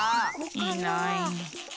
いない。